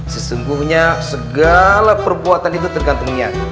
sesungguhnya segala perbuatan itu tergantung niat